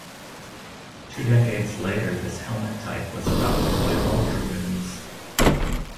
Two decades later this helmet type was adopted by all dragoons.